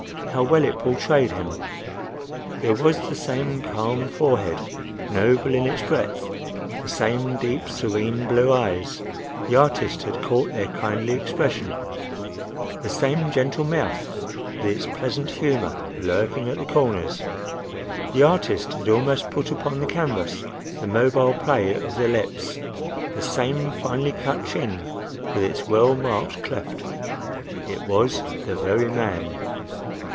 How well it portrayed him! There was the same calm forehead, noble in its breadth; the same deep, serene, blue eyes;—the artist had caught their kindly expression;—the same gentle mouth with its pleasant humor lurking at the corners;—the artist had almost put upon the canvas the mobile play of the lips;—the same finely cut chin with its well marked cleft. It was the very man.